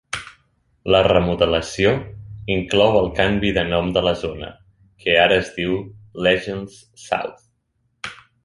La remodelació inclou el canvi de nom de la zona, que ara es diu Legends South.